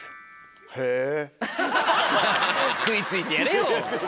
食い付いてやれよ。